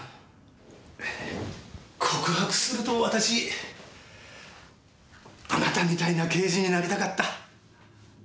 告白すると私あなたみたいな刑事になりたかった。